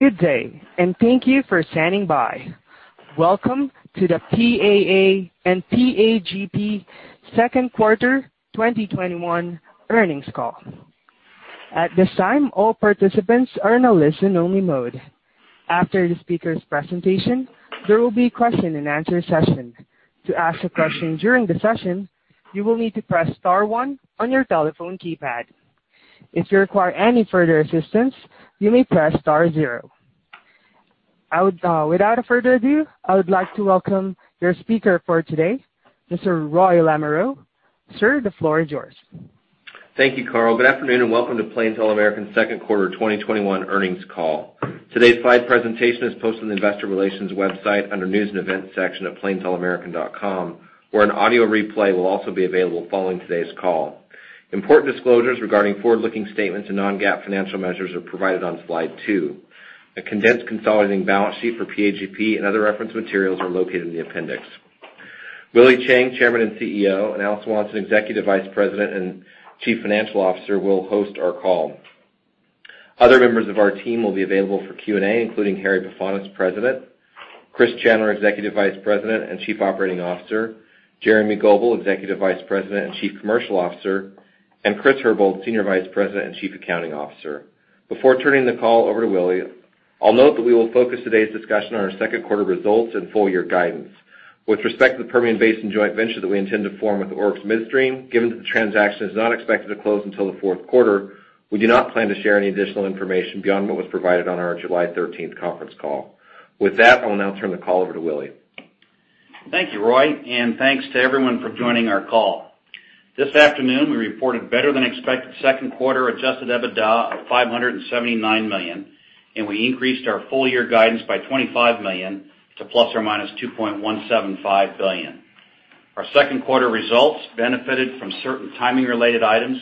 Good day, and thank you for standing by. Welcome to the PAA and PAGP second quarter 2021 earnings call. At this time, all participants are in a listen-only mode. After the speaker's presentation, there will be a question and answer session. To ask a question during the session, you will need to press star one on your telephone keypad. If you require any further assistance, you may press star zero. Without further ado, I would like to welcome your speaker for today, Mr. Roy Lamoreaux. Sir, the floor is yours. Thank you, Carl. Good afternoon, and welcome to Plains All American's second quarter 2021 earnings call. Today's slide presentation is posted on the investor relations website under News and Events section at plainsallamerican.com, where an audio replay will also be available following today's call. Important disclosures regarding forward-looking statements and non-GAAP financial measures are provided on slide 2. A condensed consolidated balance sheet for PAGP and other reference materials are located in the appendix. Willie Chiang, Chairman and CEO, and Al Swanson, Executive Vice President and Chief Financial Officer, will host our call. Other members of our team will be available for Q&A, including Harry Pefanis, President, Chris Chandler, Executive Vice President and Chief Operating Officer, Jeremy Goebel, Executive Vice President and Chief Commercial Officer, and Chris Herbold, Senior Vice President and Chief Accounting Officer. Before turning the call over to Willie, I'll note that we will focus today's discussion on our second quarter results and full-year guidance. With respect to the Permian Basin joint venture that we intend to form with Oryx Midstream, given that the transaction is not expected to close until the fourth quarter, we do not plan to share any additional information beyond what was provided on our July 13th conference call. With that, I'll now turn the call over to Willie. Thank you, Roy, and thanks to everyone for joining our call. This afternoon, we reported better-than-expected second quarter adjusted EBITDA of $579 million, and we increased our full-year guidance by $25 million to ±$2.175 billion. Our second quarter results benefited from certain timing-related items,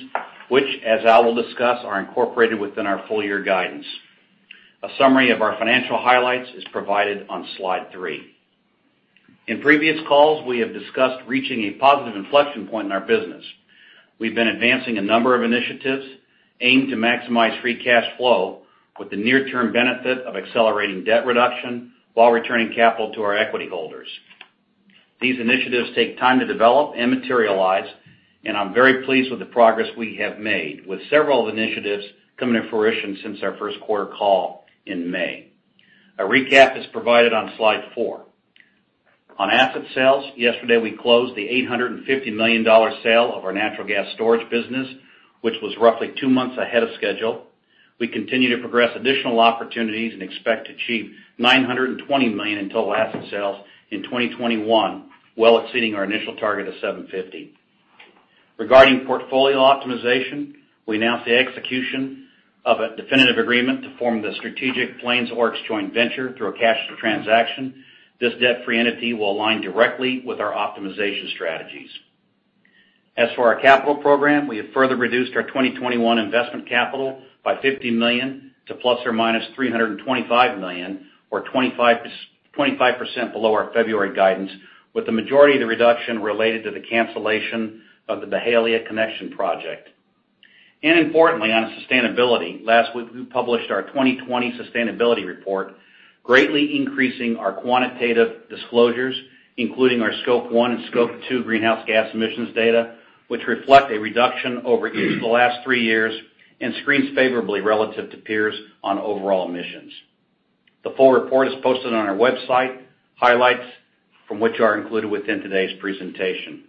which, as Al will discuss, are incorporated within our full-year guidance. A summary of our financial highlights is provided on slide 3. In previous calls, we have discussed reaching a positive inflection point in our business. We've been advancing a number of initiatives aimed to maximize free cash flow with the near-term benefit of accelerating debt reduction while returning capital to our equity holders. These initiatives take time to develop and materialize, and I'm very pleased with the progress we have made, with several of the initiatives coming to fruition since our first quarter call in May. A recap is provided on slide four. On asset sales, yesterday we closed the $850 million sale of our natural gas storage business, which was roughly two months ahead of schedule. We continue to progress additional opportunities and expect to achieve $920 million in total asset sales in 2021, well exceeding our initial target of $750 million. Regarding portfolio optimization, we announced the execution of a definitive agreement to form the strategic Plains Oryx joint venture through a cash transaction. This debt-free entity will align directly with our optimization strategies. As for our capital program, we have further reduced our 2021 investment capital by $50 million to ±$325 million, or 25% below our February guidance, with the majority of the reduction related to the cancellation of the [Byhalia] connection project. Importantly, on sustainability, last week we published our 2020 sustainability report, greatly increasing our quantitative disclosures, including our scope one and scope two greenhouse gas emissions data, which reflect a reduction over each of the last three years and screens favorably relative to peers on overall emissions. The full report is posted on our website. Highlights from which are included within today's presentation.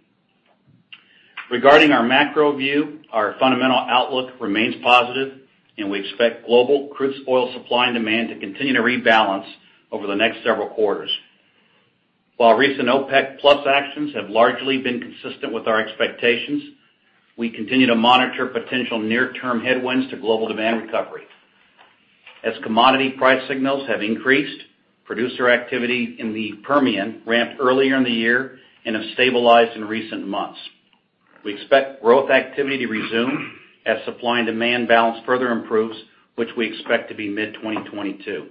Regarding our macro view, our fundamental outlook remains positive, and we expect global crude oil supply and demand to continue to rebalance over the next several quarters. While recent OPEC+ actions have largely been consistent with our expectations, we continue to monitor potential near-term headwinds to global demand recovery. As commodity price signals have increased, producer activity in the Permian ramped earlier in the year and have stabilized in recent months. We expect growth activity to resume as supply and demand balance further improves, which we expect to be mid-2022.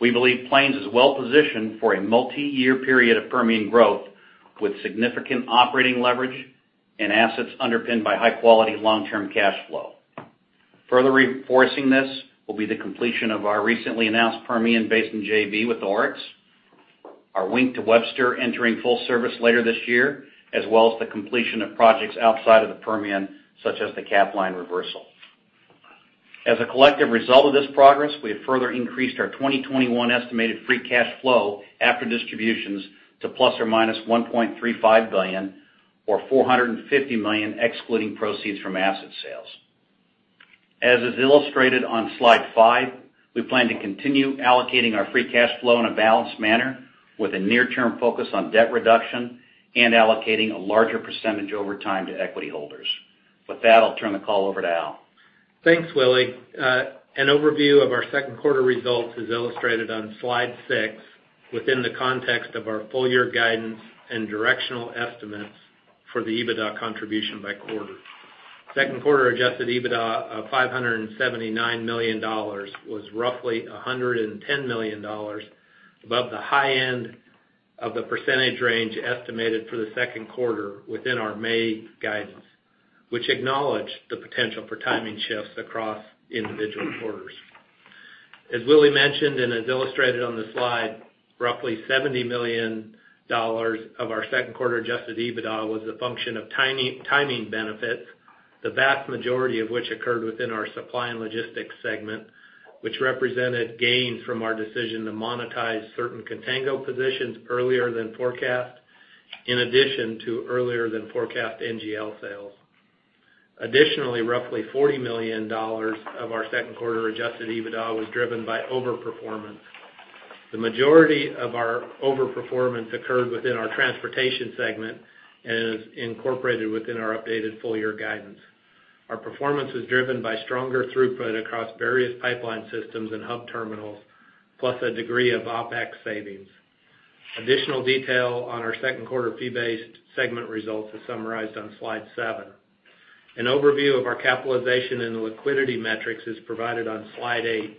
We believe Plains is well-positioned for a multi-year period of Permian growth, with significant operating leverage and assets underpinned by high-quality long-term cash flow. Further reinforcing this will be the completion of our recently announced Permian Basin JV with Oryx, our Wink to Webster entering full service later this year, as well as the completion of projects outside of the Permian, such as the Capline reversal. As a collective result of this progress, we have further increased our 2021 estimated free cash flow after distributions to ±$1.35 billion or $450 million excluding proceeds from asset sales. As is illustrated on slide 5, we plan to continue allocating our free cash flow in a balanced manner with a near-term focus on debt reduction and allocating a larger percentage over time to equity holders. With that, I'll turn the call over to Al. Thanks, Willie. An overview of our second quarter results is illustrated on slide 6 within the context of our full-year guidance and directional estimates for the EBITDA contribution by quarter. Second quarter adjusted EBITDA of $579 million was roughly $110 million above the high end of the percentage range estimated for the second quarter within our May guidance, which acknowledge the potential for timing shifts across individual quarters. As Willie mentioned, and as illustrated on the slide, roughly $70 million of our second quarter adjusted EBITDA was a function of timing benefits, the vast majority of which occurred within our Supply and Logistics segment, which represented gains from our decision to monetize certain contango positions earlier than forecast, in addition to earlier than forecast NGL sales. Roughly $40 million of our second quarter adjusted EBITDA was driven by over-performance. The majority of our over-performance occurred within our transportation segment and is incorporated within our updated full-year guidance. Our performance is driven by stronger throughput across various pipeline systems and hub terminals, plus a degree of OpEx savings. Additional detail on our second quarter fee-based segment results is summarized on slide 7. An overview of our capitalization and liquidity metrics is provided on slide 8.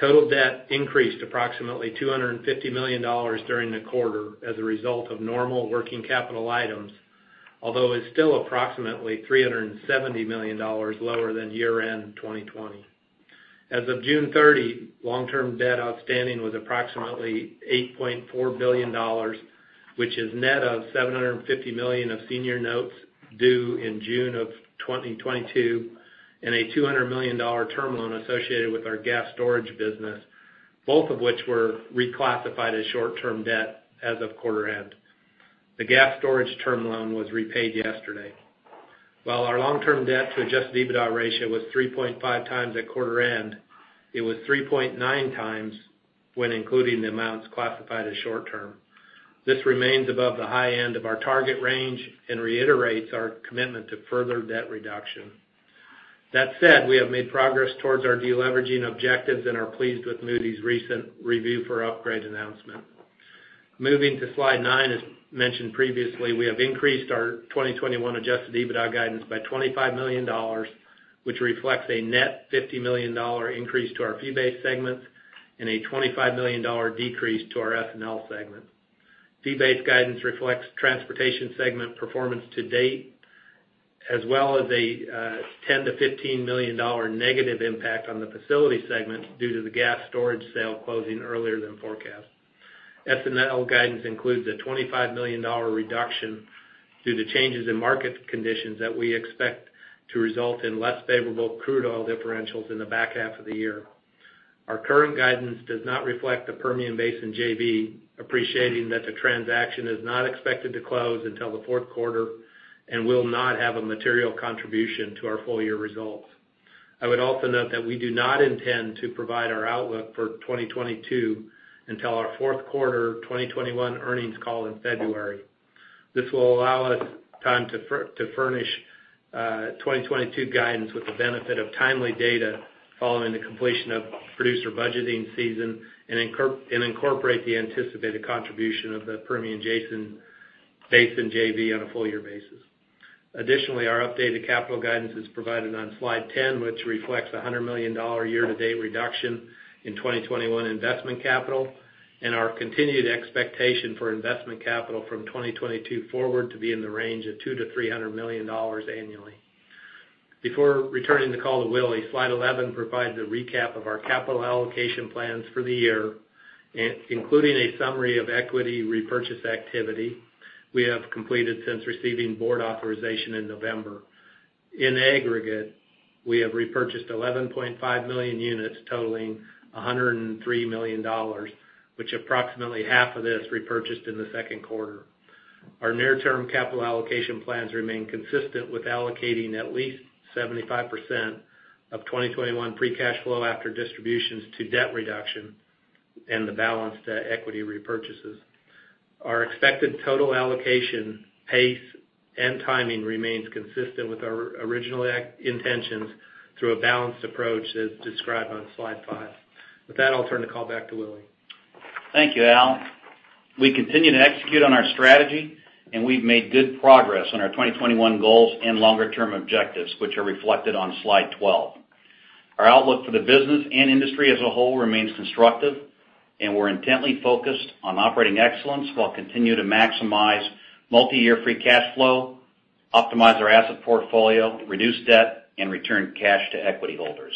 Total debt increased approximately $250 million during the quarter as a result of normal working capital items, although is still approximately $370 million lower than year-end 2020. As of June 30, long-term debt outstanding was approximately $8.4 billion, which is net of $750 million of senior notes due in June of 2022, and a $200 million term loan associated with our gas storage business, both of which were reclassified as short-term debt as of quarter end. The gas storage term loan was repaid yesterday. While our long-term debt to adjusted EBITDA ratio was 3.5x at quarter end, it was 3.9x when including the amounts classified as short-term. This remains above the high end of our target range and reiterates our commitment to further debt reduction. That said, we have made progress towards our de-leveraging objectives and are pleased with Moody's recent review for upgrade announcement. Moving to slide 9, as mentioned previously, we have increased our 2021 adjusted EBITDA guidance by $25 million, which reflects a net $50 million increase to our fee-based segments and a $25 million decrease to our S&L segment. Fee-based guidance reflects Transportation segment performance to date, as well as a $10 million-$15 million negative impact on the Facilities segment due to the gas storage sale closing earlier than forecast. S&L guidance includes a $25 million reduction due to changes in market conditions that we expect to result in less favorable crude oil differentials in the back half of the year. Our current guidance does not reflect the Permian Basin JV, appreciating that the transaction is not expected to close until the fourth quarter and will not have a material contribution to our full-year results. I would also note that we do not intend to provide our outlook for 2022 until our fourth quarter 2021 earnings call in February. This will allow us time to furnish 2022 guidance with the benefit of timely data following the completion of producer budgeting season and incorporate the anticipated contribution of the Permian Basin JV on a full-year basis. Additionally, our updated capital guidance is provided on slide 10, which reflects $100 million year to date reduction in 2021 investment capital and our continued expectation for investment capital from 2022 forward to be in the range of $200 million-$300 million annually. Before returning the call to Willie, slide 11 provides a recap of our capital allocation plans for the year, including a summary of equity repurchase activity we have completed since receiving board authorization in November. In aggregate, we have repurchased 11.5 million units totaling $103 million, which approximately half of this repurchased in the second quarter. Our near-term capital allocation plans remain consistent with allocating at least 75% of 2021 free cash flow after distributions to debt reduction and the balance to equity repurchases. Our expected total allocation pace and timing remains consistent with our original intentions through a balanced approach as described on slide 5. With that, I'll turn the call back to Willie. Thank you, Al. We continue to execute on our strategy, and we've made good progress on our 2021 goals and longer-term objectives, which are reflected on slide 12. Our outlook for the business and industry as a whole remains constructive, and we're intently focused on operating excellence while continuing to maximize multi-year free cash flow, optimize our asset portfolio, reduce debt, and return cash to equity holders.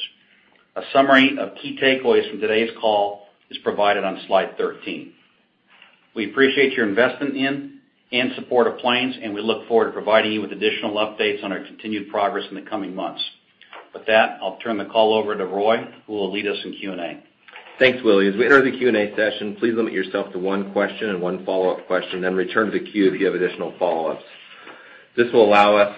A summary of key takeaways from today's call is provided on slide 13. We appreciate your investment in and support of Plains, and we look forward to providing you with additional updates on our continued progress in the coming months. With that, I'll turn the call over to Roy, who will lead us in Q&A. Thanks, Willie. As we enter the Q&A session, please limit yourself to one question and one follow-up question, then return to the queue if you have additional follow-ups. This will allow us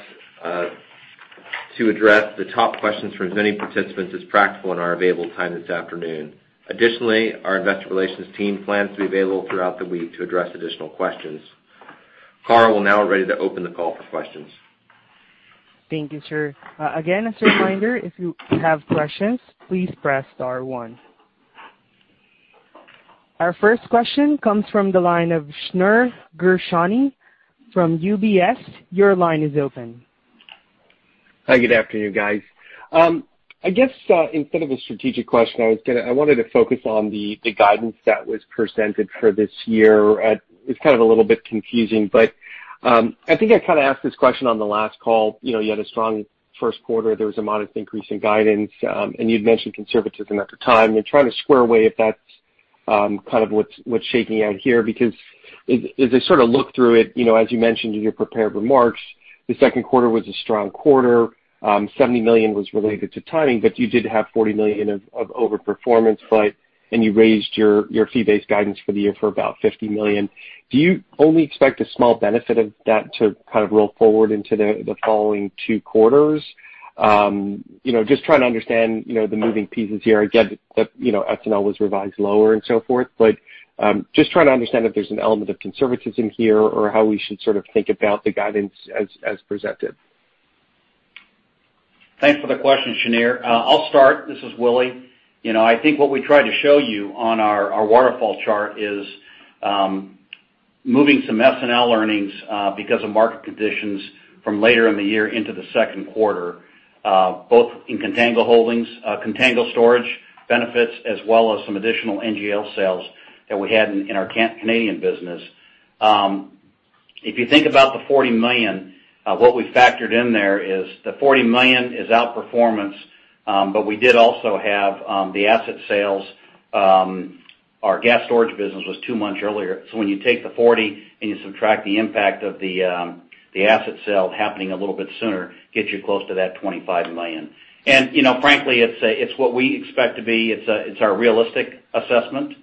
to address the top questions from as many participants as practical in our available time this afternoon. Additionally, our investor relations team plans to be available throughout the week to address additional questions. Carl, we're now ready to open the call for questions. Thank you, sir. Again, as a reminder, if you have questions, please press star one. Our first question comes from the line of Shneur Gershuni from UBS. Your line is open. Hi. Good afternoon, guys. I guess instead of a strategic question, I wanted to focus on the guidance that was presented for this year. It's kind of a little bit confusing, but I think I kind of asked this question on the last call. You had a strong first quarter, there was a modest increase in guidance, and you'd mentioned conservatism at the time. I'm trying to square away if that's kind of what's shaking out here, because as I sort of look through it, as you mentioned in your prepared remarks, the second quarter was a strong quarter. $70 million was related to timing, but you did have $40 million of over-performance, and you raised your fee-based guidance for the year for about $50 million. Do you only expect a small benefit of that to kind of roll forward into the following two quarters? Just trying to understand the moving pieces here. Again, the S&L was revised lower and so forth, but just trying to understand if there's an element of conservatism here or how we should sort of think about the guidance as presented. Thanks for the question, Shneur. I'll start. This is Willie. I think what we tried to show you on our waterfall chart is moving some S&L earnings because of market conditions from later in the year into the second quarter, both in contango holdings, contango storage benefits, as well as some additional NGL sales that we had in our Canadian business. If you think about the $40 million, what we factored in there is the $40 million is outperformance. We did also have the asset sales. Our gas storage business was two months earlier. When you take the $40 and you subtract the impact of the asset sale happening a little bit sooner, gets you close to that $25 million. Frankly, it's what we expect to be. It's our realistic assessment.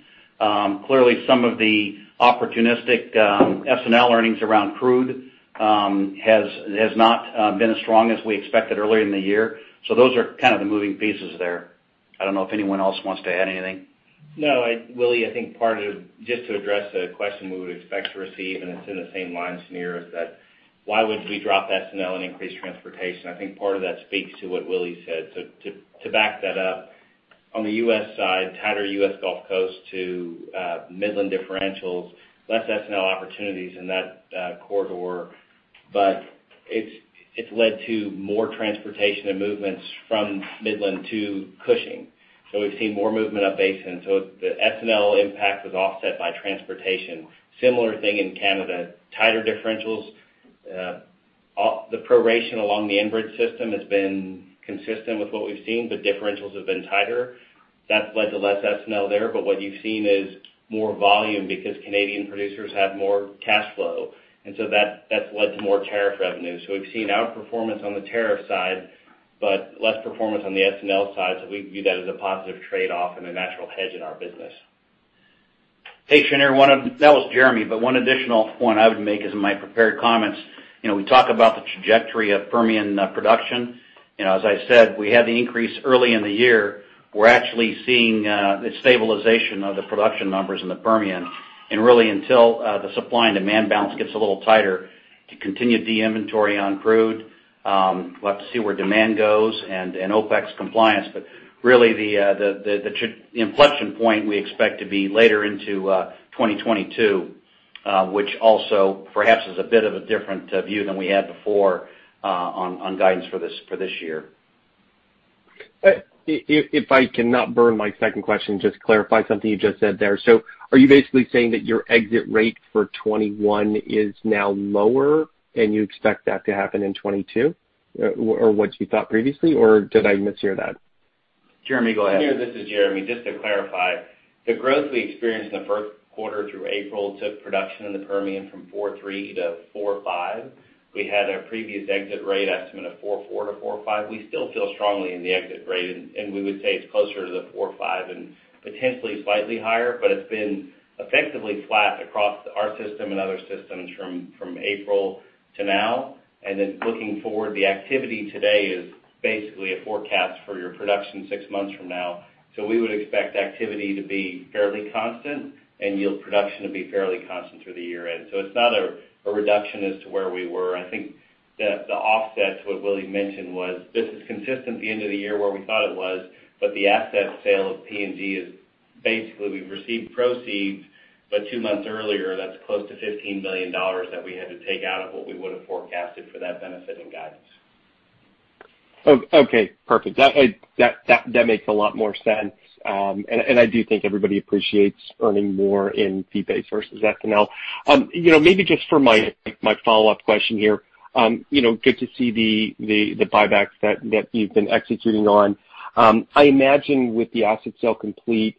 Clearly, some of the opportunistic S&L earnings around crude has not been as strong as we expected earlier in the year. Those are kind of the moving pieces there. I don't know if anyone else wants to add anything. Willie, I think part of just to address the question we would expect to receive, and it's in the same line, Shneur, is that why would we drop S&L and increase transportation? I think part of that speaks to what Willie said. To back that up, on the U.S. side, tighter U.S. Gulf Coast to Midland differentials, less S&L opportunities in that corridor. It's led to more transportation and movements from Midland to Cushing. We've seen more movement up basin. The S&L impact was offset by transportation. Similar thing in Canada, tighter differentials. The proration along the Enbridge system has been consistent with what we've seen, but differentials have been tighter. That's led to less S&L there, but what you've seen is more volume because Canadian producers have more cash flow, and so that's led to more tariff revenue. We've seen outperformance on the tariff side, but less performance on the S&L side. We view that as a positive trade-off and a natural hedge in our business. Hey, Shneur. That was Jeremy, but one additional point I would make is in my prepared comments. We talk about the trajectory of Permian production, and as I said, we had the increase early in the year. We're actually seeing the stabilization of the production numbers in the Permian, and really until the supply and demand balance gets a little tighter to continue de-inventory on crude, we'll have to see where demand goes and OpEx compliance. Really the inflection point we expect to be later into 2022, which also perhaps is a bit of a different view than we had before on guidance for this year. If I can not burn my second question, just to clarify something you just said there. Are you basically saying that your exit rate for 2021 is now lower and you expect that to happen in 2022 from what you thought previously, or did I mishear that? Jeremy, go ahead. Shneur, this is Jeremy. Just to clarify, the growth we experienced in the first quarter through April took production in the Permian from 4.3 to 4.5. We had a previous exit rate estimate of 4.4 to 4.5. We still feel strongly in the exit rate, and we would say it's closer to the 4.5 and potentially slightly higher, but it's been effectively flat across our system and other systems from April to now. Looking forward, the activity today is basically a forecast for your production six months from now. We would expect activity to be fairly constant and yield production to be fairly constant through the year-end. It's not a reduction as to where we were. I think that the offset to what Willie mentioned was this is consistent at the end of the year where we thought it was, but the asset sale of PNG is basically we've received proceeds, but two months earlier. That's close to $15 million that we had to take out of what we would have forecasted for that benefit and guidance. Okay, perfect. That makes a lot more sense, and I do think everybody appreciates earning more in fee-based versus S&L. Maybe just for my follow-up question here. Good to see the buybacks that you've been executing on. I imagine with the asset sale complete,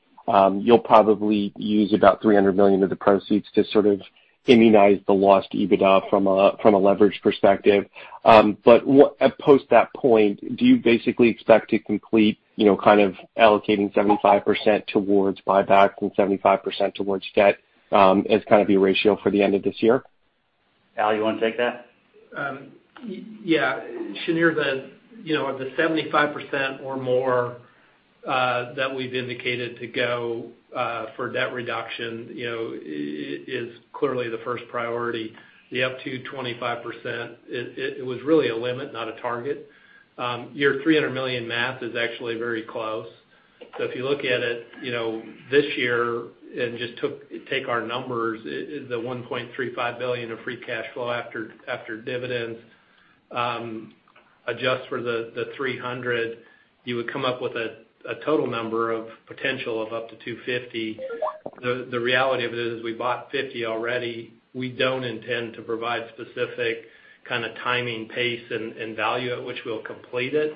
you'll probably use about $300 million of the proceeds to sort of immunize the lost EBITDA from a leverage perspective. Post that point, do you basically expect to complete allocating 75% towards buyback and 75% towards debt as kind of your ratio for the end of this year? Al, you want to take that? Yeah. Shneur, of the 75% or more that we've indicated to go for debt reduction is clearly the first priority. The up to 25%, it was really a limit, not a target. Your $300 million math is actually very close. If you look at it this year and just take our numbers, the $1.35 billion of free cash flow after dividends, adjust for the $300, you would come up with a total number of potential of up to $250. The reality of it is we bought $50 already. We don't intend to provide specific kind of timing, pace, and value at which we'll complete it.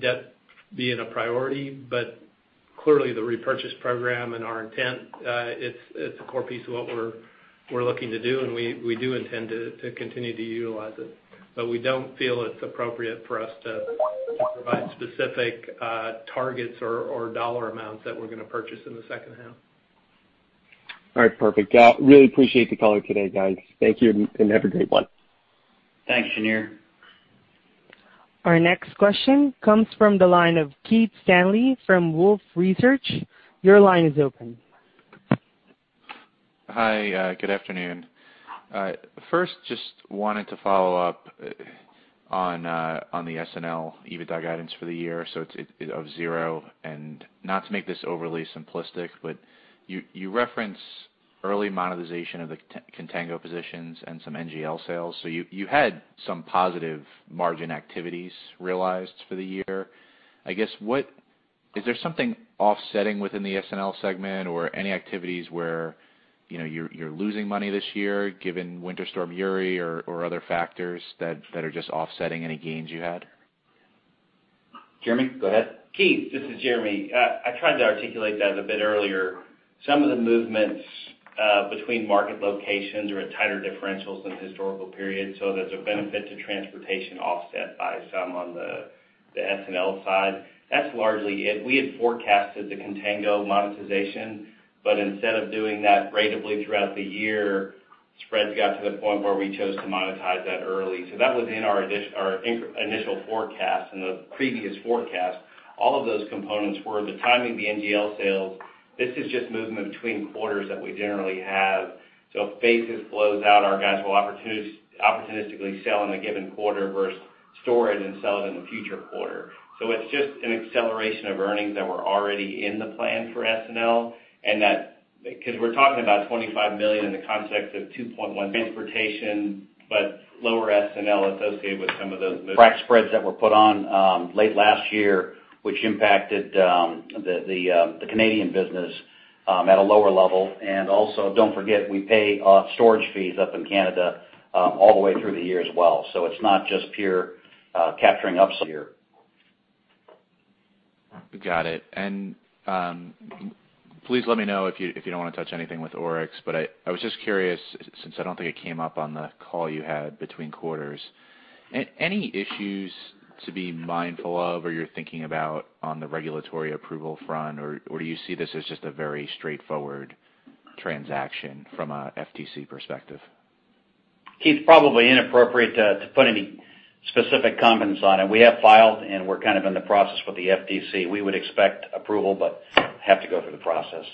Debt being a priority, but clearly the repurchase program and our intent, it's a core piece of what we're looking to do, and we do intend to continue to utilize it. We don't feel it's appropriate for us to provide specific targets or dollar amounts that we're going to purchase in the second half All right, perfect. Really appreciate the call today, guys. Thank you, and have a great one. Thanks, Shneur. Our next question comes from the line of Keith Stanley from Wolfe Research. Your line is open. Hi. Good afternoon. First, just wanted to follow up on the S&L EBITDA guidance for the year. It's of 0, and not to make this overly simplistic, but you reference early monetization of the contango positions and some NGL sales. You had some positive margin activities realized for the year. I guess, is there something offsetting within the S&L segment or any activities where you're losing money this year given Winter Storm Uri or other factors that are just offsetting any gains you had? Jeremy, go ahead. Keith, this is Jeremy. I tried to articulate that a bit earlier. Some of the movements between market locations are at tighter differentials than historical periods, so there's a benefit to transportation offset by some on the S&L side. That's largely it. We had forecasted the contango monetization, but instead of doing that ratably throughout the year, spreads got to the point where we chose to monetize that early. That was in our initial forecast, in the previous forecast. All of those components were the timing of the NGL sales. This is just movement between quarters that we generally have. If basis flows out, our guys will opportunistically sell in a given quarter versus store it and sell it in a future quarter. It's just an acceleration of earnings that were already in the plan for S&L because we're talking about $25 million in the context of 2.1 transportation, but lower S&L associated with some of those- Frac spreads that were put on late last year, which impacted the Canadian business at a lower level. Also, don't forget, we pay storage fees up in Canada all the way through the year as well. It's not just pure capturing ups here. Got it. Please let me know if you don't want to touch anything with Oryx, but I was just curious, since I don't think it came up on the call you had between quarters. Any issues to be mindful of or you're thinking about on the regulatory approval front, or do you see this as just a very straightforward transaction from a FTC perspective? Keith, probably inappropriate to put any specific comments on it. We have filed, and we're kind of in the process with the FTC. We would expect approval but have to go through the process.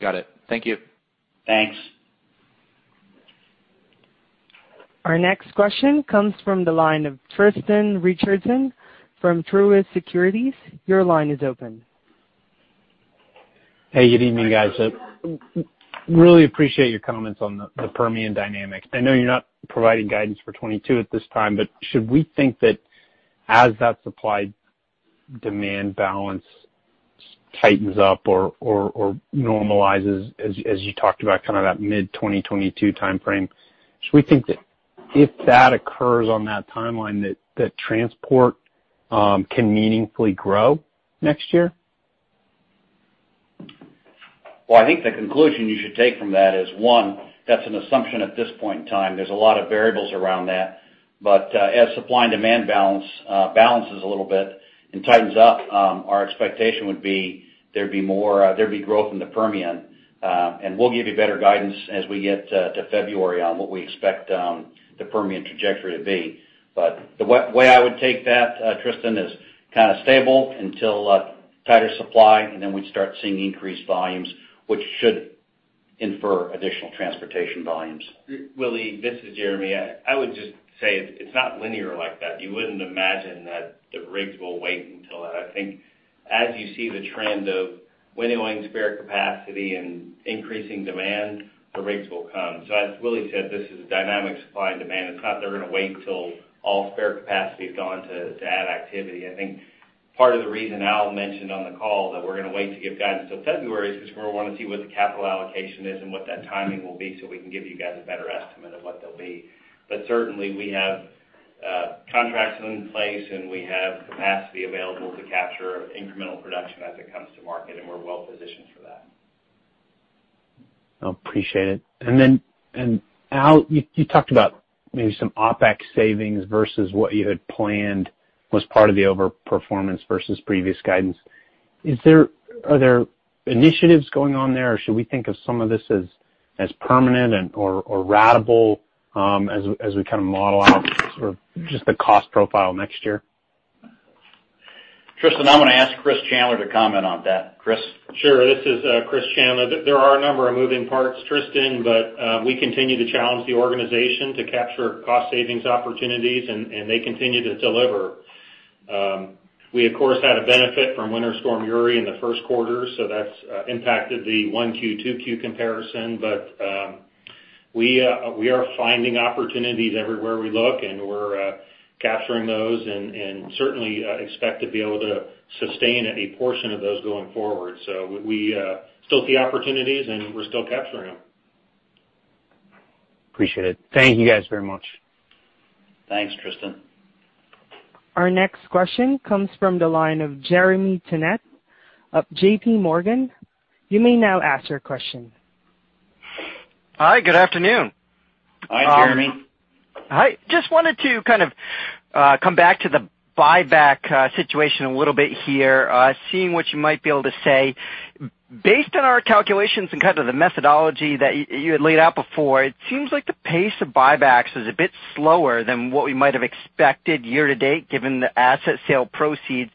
Got it. Thank you. Thanks. Our next question comes from the line of Tristan Richardson from Truist Securities. Your line is open. Hey, good evening, guys. Really appreciate your comments on the Permian dynamics. I know you're not providing guidance for 2022 at this time. Should we think that as that supply-demand balance tightens up or normalizes as you talked about, kind of that mid-2022 timeframe, should we think that if that occurs on that timeline, that transport can meaningfully grow next year? Well, I think the conclusion you should take from that is, one, that's an assumption at this point in time. There's a lot of variables around that. As supply and demand balances a little bit and tightens up, our expectation would be there'd be growth in the Permian. We'll give you better guidance as we get to February on what we expect the Permian trajectory to be. The way I would take that, Tristan, is kind of stable until tighter supply, and then we'd start seeing increased volumes, which should infer additional transportation volumes. Willie, this is Jeremy. I would just say it's not linear like that. You wouldn't imagine that the rigs will wait until that. I think as you see the trend of winnowing spare capacity and increasing demand, the rigs will come. As Willie said, this is a dynamic supply and demand. It's not they're going to wait till all spare capacity is gone to add activity. I think part of the reason Al mentioned on the call that we're going to wait to give guidance till February is because we want to see what the capital allocation is and what that timing will be so we can give you guys a better estimate of what they'll be. Certainly, we have contracts in place, and we have capacity available to capture incremental production as it comes to market, and we're well-positioned for that. I appreciate it. Al, you talked about maybe some OpEx savings versus what you had planned was part of the over-performance versus previous guidance. Are there initiatives going on there, or should we think of some of this as permanent or ratable as we kind of model out sort of just the cost profile next year? Tristan, I'm going to ask Chris Chandler to comment on that. Chris? Sure. This is Chris Chandler. There are a number of moving parts, Tristan, we continue to challenge the organization to capture cost savings opportunities, and they continue to deliver. We, of course, had a benefit from Winter Storm Uri in the 1Q, so that's impacted the 1Q, 2Q comparison. We are finding opportunities everywhere we look, and we're capturing those and certainly expect to be able to sustain a portion of those going forward. We still see opportunities, and we're still capturing them. Appreciate it. Thank you guys very much. Thanks, Tristan. Our next question comes from the line of Jeremy Tonet of JPMorgan. You may now ask your question. Hi, good afternoon. Hi, Jeremy. Hi. Just wanted to kind of come back to the buyback situation a little bit here, seeing what you might be able to say. Based on our calculations and kind of the methodology that you had laid out before, it seems like the pace of buybacks is a bit slower than what we might have expected year to date, given the asset sale proceeds.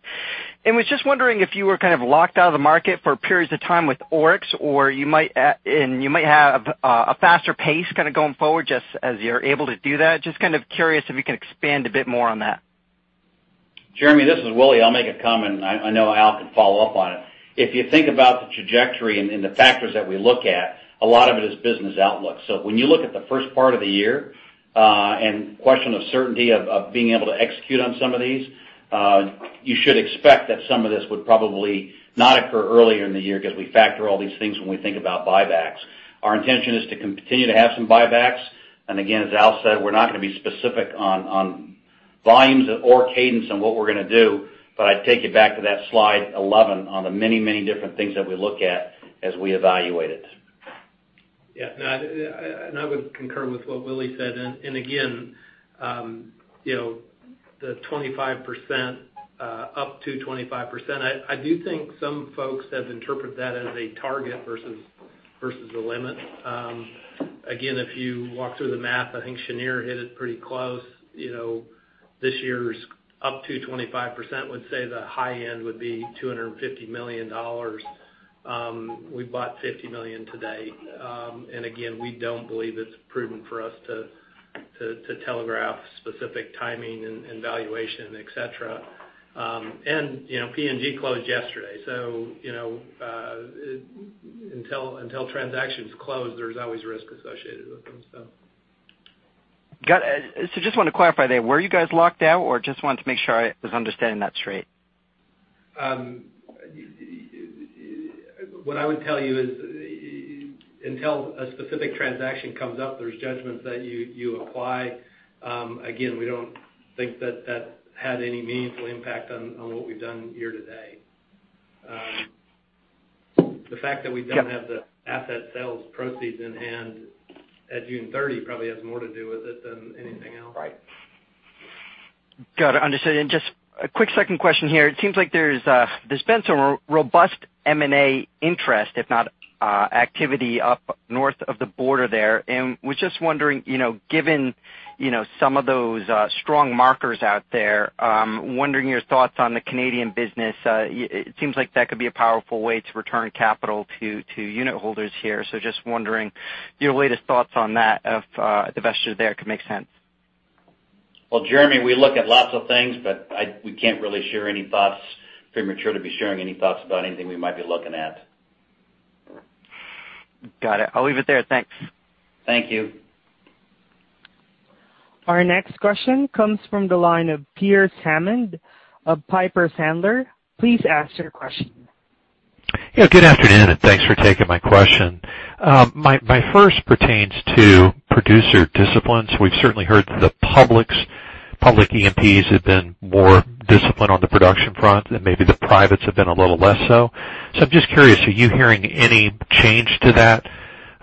Was just wondering if you were kind of locked out of the market for periods of time with Oryx or you might have a faster pace kind of going forward just as you're able to do that. Just kind of curious if you could expand a bit more on that. Jeremy, this is Willie. I'll make a comment. I know Al can follow up on it. If you think about the trajectory and the factors that we look at, a lot of it is business outlook. When you look at the first part of the year, and question of certainty of being able to execute on some of these, you should expect that some of this would probably not occur earlier in the year because we factor all these things when we think about buybacks. Our intention is to continue to have some buybacks, and again, as Al said, we're not going to be specific on volumes or cadence on what we're going to do, but I'd take you back to that slide 11 on the many different things that we look at as we evaluate it. Yeah. I would concur with what Willie said. Again, the up to 25%, I do think some folks have interpreted that as a target versus a limit. Again, if you walk through the math, I think Shneur hit it pretty close. This year's up to 25%, would say the high end would be $250 million. We bought $50 million today. Again, we don't believe it's prudent for us to telegraph specific timing and valuation, et cetera. PNG closed yesterday, so until transactions close, there's always risk associated with them. Got it. Just want to clarify there, were you guys locked out or just wanted to make sure I was understanding that straight? What I would tell you is until a specific transaction comes up, there is judgments that you apply. Again, we don't think that that had any meaningful impact on what we've done year to date. The fact that we don't have the asset sales proceeds in hand at June 30 probably has more to do with it than anything else. Right. Got it, understood. Just a quick second question here. It seems like there's been some robust M&A interest, if not activity up north of the border there. Was just wondering, given some of those strong markers out there, wondering your thoughts on the Canadian business. It seems like that could be a powerful way to return capital to unit holders here. Just wondering your latest thoughts on that, if divesting there could make sense. Well, Jeremy, we look at lots of things, but we can't really share any thoughts. Premature to be sharing any thoughts about anything we might be looking at. Got it. I'll leave it there. Thanks. Thank you. Our next question comes from the line of Pearce Hammond of Piper Sandler. Please ask your question. Yeah, good afternoon, and thanks for taking my question. My first pertains to producer discipline. We've certainly heard the public E&Ps have been more disciplined on the production front, and maybe the privates have been a little less so. I'm just curious, are you hearing any change to that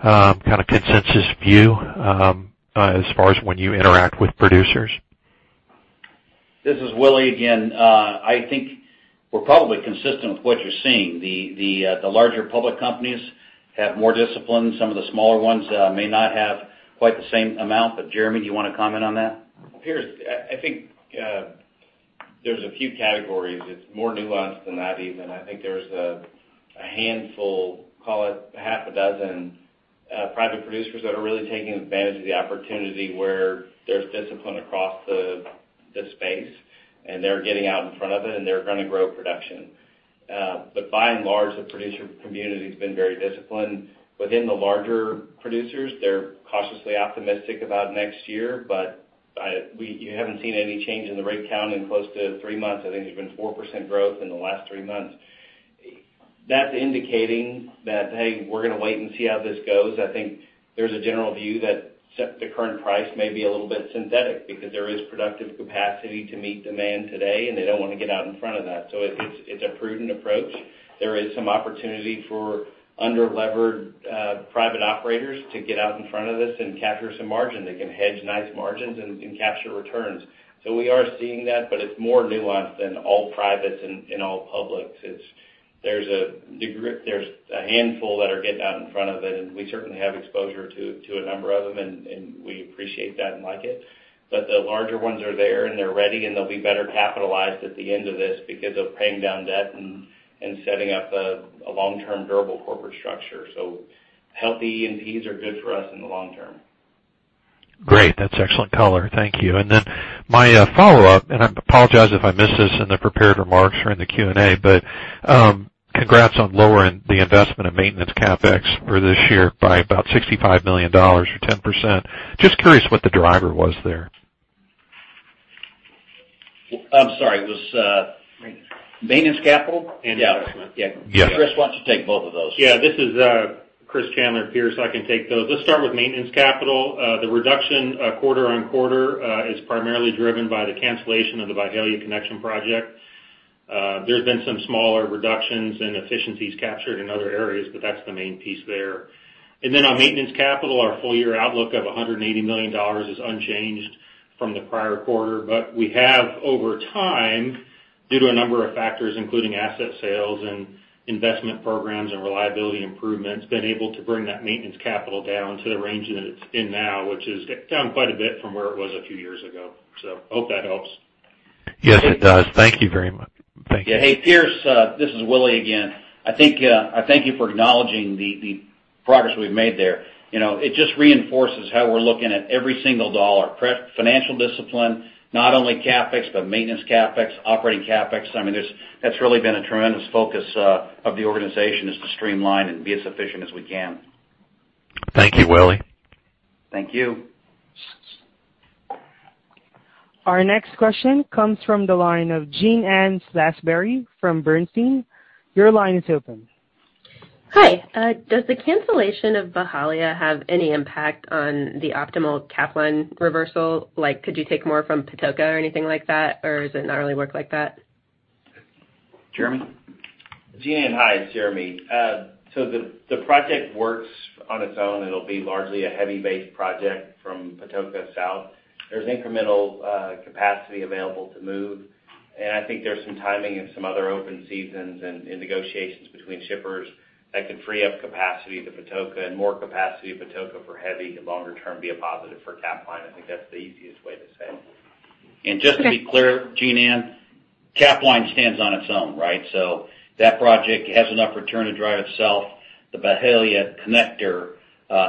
kind of consensus view as far as when you interact with producers? This is Willie again. I think we're probably consistent with what you're seeing. The larger public companies have more discipline. Some of the smaller ones may not have quite the same amount. Jeremy, do you want to comment on that? Pearce, I think there's a few categories. It's more nuanced than that even. I think there's a handful, call it six, private producers that are really taking advantage of the opportunity where there's discipline across the space, and they're getting out in front of it, and they're going to grow production. By and large, the producer community's been very disciplined. Within the larger producers, they're cautiously optimistic about next year, but you haven't seen any change in the rig count in close to three months. I think there's been 4% growth in the last three months. That's indicating that, hey, we're going to wait and see how this goes. I think there's a general view that the current price may be a little bit synthetic because there is productive capacity to meet demand today, and they don't want to get out in front of that. It's a prudent approach. There is some opportunity for under-levered private operators to get out in front of this and capture some margin. They can hedge nice margins and capture returns. We are seeing that, but it's more nuanced than all privates and all publics. There's a handful that are getting out in front of it, and we certainly have exposure to a number of them, and we appreciate that and like it. The larger ones are there, and they're ready, and they'll be better capitalized at the end of this because of paying down debt and setting up a long-term durable corporate structure. Healthy E&Ps are good for us in the long term. Great. That's excellent color. Thank you. My follow-up, and I apologize if I missed this in the prepared remarks or in the Q&A, but congrats on lowering the investment in maintenance CapEx for this year by about $65 million or 10%. Just curious what the driver was there. I'm sorry. Maintenance. Maintenance capital? Investment. Yeah. Yeah. Chris, why don't you take both of those? Yeah, this is Chris Chandler, Pearce. I can take those. Let's start with maintenance capital. The reduction quarter-on-quarter is primarily driven by the cancellation of the Byhalia connection project. There's been some smaller reductions and efficiencies captured in other areas, but that's the main piece there. Then on maintenance capital, our full-year outlook of $180 million is unchanged from the prior quarter. We have over time, due to a number of factors, including asset sales and investment programs and reliability improvements, been able to bring that maintenance capital down to the range that it's in now, which is down quite a bit from where it was a few years ago. Hope that helps. Yes, it does. Thank you very much. Thank you. Hey, Pearce, this is Willie again. I thank you for acknowledging the progress we've made there. It just reinforces how we're looking at every single dollar. Financial discipline, not only CapEx, but maintenance CapEx, operating CapEx, that's really been a tremendous focus of the organization, is to streamline and be as efficient as we can. Thank you, Willie. Thank you. Our next question comes from the line of Jean Ann Salisbury from Bernstein. Your line is open. Hi. Does the cancellation of Byhalia have any impact on the optimal Capline reversal? Could you take more from Patoka or anything like that? Does it not really work like that? Jeremy? Jean Ann, hi. It's Jeremy. The project works on its own. It'll be largely a heavy-based project from Patoka south. There's incremental capacity available to move, and I think there's some timing and some other open seasons and negotiations between shippers that could free up capacity to Patoka, and more capacity at Patoka for heavy could longer term be a positive for Capline. I think that's the easiest way to say it. Just to be clear, Jean Ann, Capline stands on its own, right? That project has enough return to drive itself. The Byhalia connector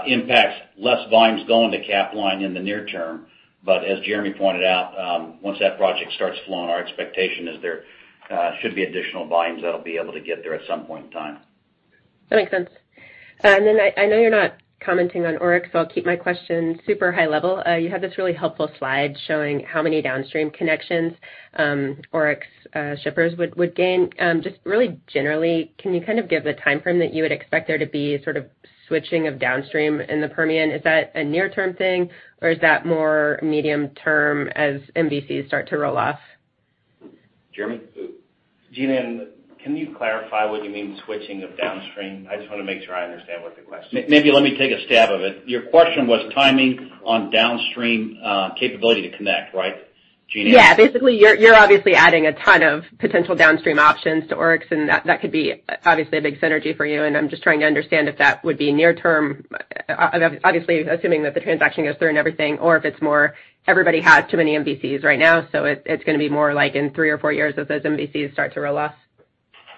impacts less volumes going to Capline in the near term, but as Jeremy pointed out, once that project starts flowing, our expectation is there should be additional volumes that'll be able to get there at some point in time. That makes sense. I know you're not commenting on Oryx, so I'll keep my question super high level. You had this really helpful slide showing how many downstream connections Oryx shippers would gain. Really generally, can you kind of give the timeframe that you would expect there to be sort of switching of downstream in the Permian? Is that a near-term thing, or is that more medium-term as MVCs start to roll off? Jeremy? Jean Ann, can you clarify what you mean switching of downstream? I just want to make sure I understand what the question is. Maybe let me take a stab of it. Your question was timing on downstream capability to connect, right, Jean Ann? Yeah. Basically, you're obviously adding a ton of potential downstream options to Oryx, and that could be obviously a big synergy for you, and I'm just trying to understand if that would be near term, obviously assuming that the transaction goes through and everything, or if it's more everybody has too many MVCs right now, so it's going to be more like in three or four years as those MVCs start to roll off.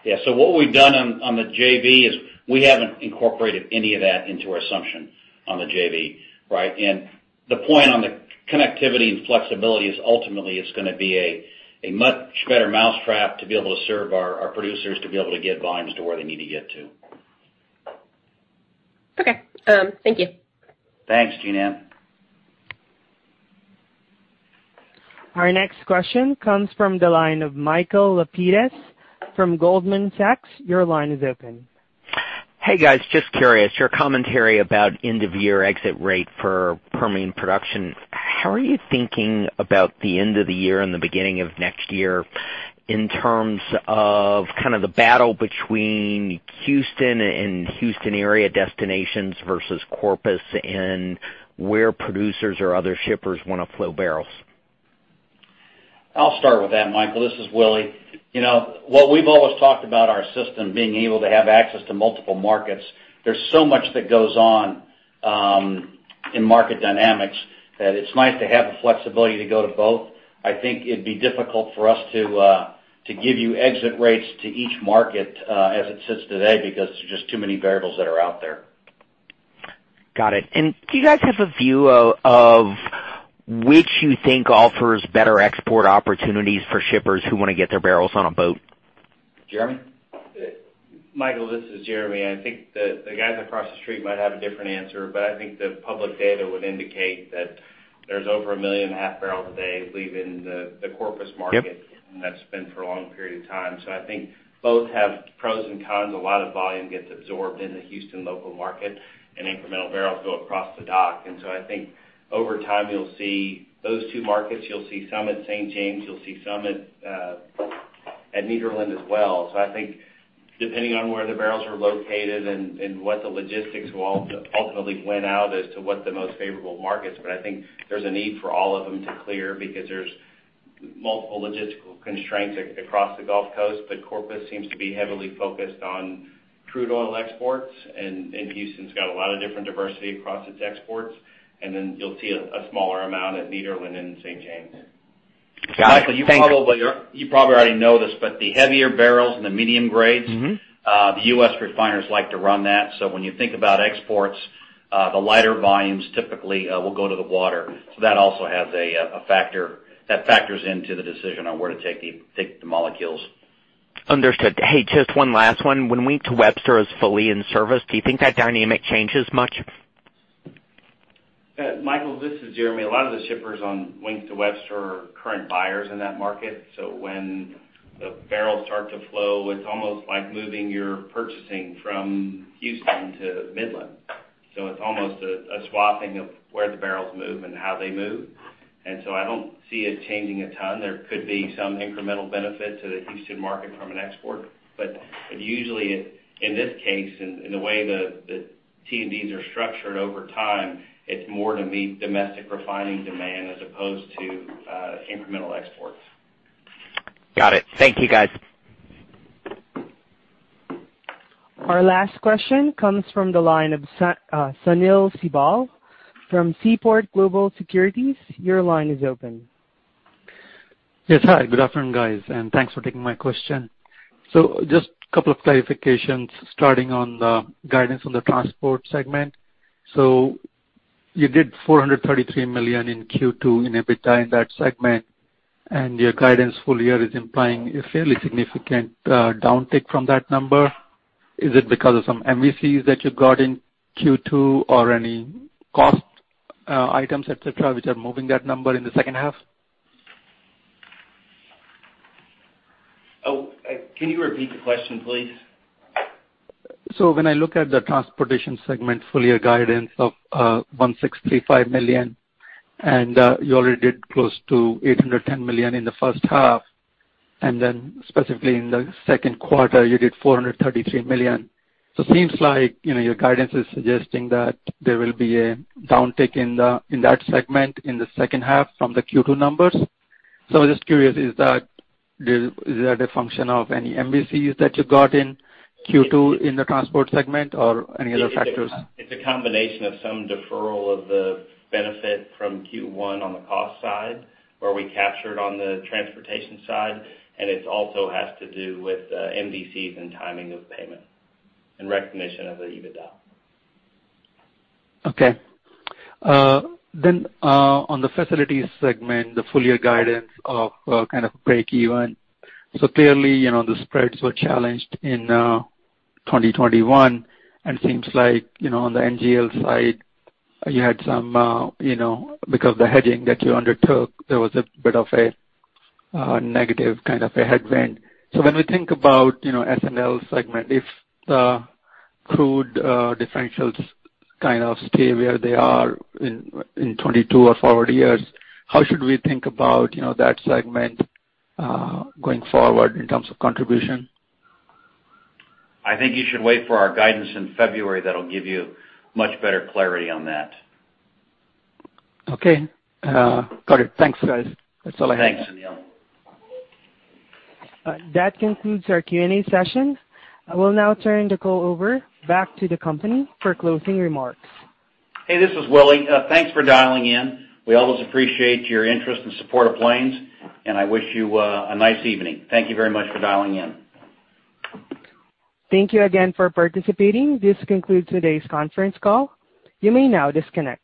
Yeah. What we've done on the JV is we haven't incorporated any of that into our assumption on the JV, right? The point on the connectivity and flexibility is ultimately it's going to be a much better mousetrap to be able to serve our producers to be able to get volumes to where they need to get to. Okay. Thank you. Thanks, Jean Ann. Our next question comes from the line of Michael Lapides from Goldman Sachs. Your line is open. Hey, guys. Just curious, your commentary about end-of-year exit rate for Permian production, how are you thinking about the end of the year and the beginning of next year in terms of kind of the battle between Houston and Houston area destinations versus Corpus, and where producers or other shippers want to flow barrels? I'll start with that, Michael. This is Willie. What we've always talked about our system being able to have access to multiple markets, there's so much that goes on in market dynamics that it's nice to have the flexibility to go to both. I think it'd be difficult for us to give you exit rates to each market as it sits today because there's just too many variables that are out there. Got it. Do you guys have a view of which you think offers better export opportunities for shippers who want to get their barrels on a boat? Jeremy? Michael Lapides, this is Jeremy. I think the guys across the street might have a different answer, but I think the public data would indicate that there's over 1.5 million barrels a day leaving the Corpus market. Yep. That's been for a long period of time. I think both have pros and cons. A lot of volume gets absorbed in the Houston local market, and incremental barrels go across the dock. I think over time you'll see those two markets. You'll see some at St. James, you'll see some at Nederland as well. I think depending on where the barrels are located and what the logistics will ultimately win out as to what the most favorable market is, but I think there's a need for all of them to clear because there's multiple logistical constraints across the Gulf Coast. Corpus seems to be heavily focused on crude oil exports, and Houston's got a lot of different diversity across its exports. Then you'll see a smaller amount at Nederland and St. James. Got it. Thank you. Michael, you probably already know this, but the heavier barrels and the medium grades. the U.S. refiners like to run that. When you think about exports, the lighter volumes typically will go to the water. That also has a factor. That factors into the decision on where to take the molecules. Understood. Hey, just one last one. When Wink to Webster is fully in service, do you think that dynamic changes much? Michael, this is Jeremy. A lot of the shippers on Wink to Webster are current buyers in that market. When the barrels start to flow, it's almost like moving your purchasing from Houston to Midland. It's almost a swapping of where the barrels move and how they move. I don't see it changing a ton. There could be some incremental benefit to the Houston market from an export. Usually, in this case, in the way the TSAs are structured over time, it's more to meet domestic refining demand as opposed to incremental exports. Got it. Thank you, guys. Our last question comes from the line of Sunil Sibal from Seaport Global Securities. Your line is open. Yes. Hi, good afternoon, guys, thanks for taking my question. Just a couple of clarifications starting on the guidance on the transport segment. You did $433 million in Q2 in EBITDA in that segment, your guidance full-year is implying a fairly significant downtick from that number. Is it because of some MVCs that you got in Q2 or any cost items, et cetera, which are moving that number in the second half? Can you repeat the question, please? When I look at the transportation segment full-year guidance of $1,635 million, and you already did close to $810 million in the first half, and then specifically in the second quarter, you did $433 million. Seems like your guidance is suggesting that there will be a downtick in that segment in the second half from the Q2 numbers. I'm just curious, is that a function of any MVCs that you got in Q2 in the transport segment or any other factors? It's a combination of some deferral of the benefit from Q1 on the cost side, where we captured on the transportation side, and it also has to do with MVCs and timing of payment and recognition of the EBITDA. Okay. On the facilities segment, the full-year guidance of kind of breakeven. Clearly, the spreads were challenged in 2021, and seems like on the NGL side, you had some, because the hedging that you undertook, there was a bit of a negative kind of a headwind. When we think about [F&L] segment, if the crude differentials kind of stay where they are in 2022 or forward years, how should we think about that segment going forward in terms of contribution? I think you should wait for our guidance in February. That'll give you much better clarity on that. Okay. Got it. Thanks, guys. That's all I have. Thanks, Sunil. That concludes our Q&A session. I will now turn the call over back to the company for closing remarks. Hey, this is Willie. Thanks for dialing in. We always appreciate your interest and support of Plains, and I wish you a nice evening. Thank you very much for dialing in. Thank you again for participating. This concludes today's conference call. You may now disconnect.